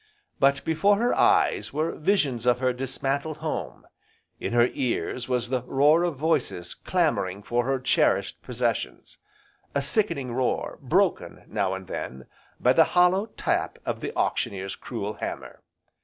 But before her eyes were visions of her dismantled home, in her ears was the roar of voices clamouring for her cherished possessions, a sickening roar, broken, now and then, by the hollow tap of the auctioneer's cruel hammer.